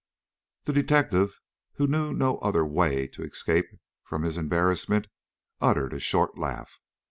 The detective, who knew no other way to escape from his embarrassment, uttered a short laugh.